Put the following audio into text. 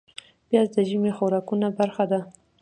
پیاز د ژمي خوراکونو برخه ده